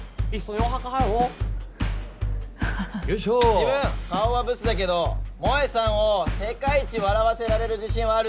自分顔はブスだけど萌さんを世界一笑わせられる自信はあるっす！